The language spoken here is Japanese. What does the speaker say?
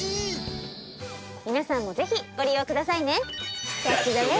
皆さんもぜひご利用くださいね。